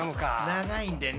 長いんでね。